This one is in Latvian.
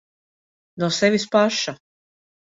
No sevis paša.